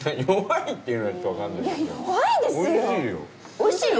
おいしいよ。